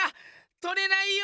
とれないよ！